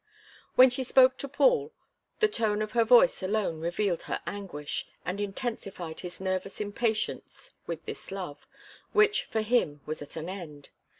When she spoke to Paul, the tone of her voice alone revealed her anguish, and intensified his nervous impatience with this love, which for him was at an end.